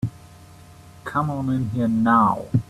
Come on in here now.